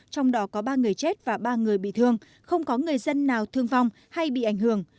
trong đó có ba người chết và ba người bị thương không có người dân nào thương vong hay bị ảnh hưởng